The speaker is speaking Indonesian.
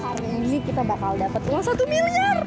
hari ini kita bakal dapat uang satu miliar